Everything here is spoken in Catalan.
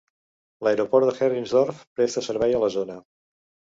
L'aeroport de Heringsdorf presta servei a la zona.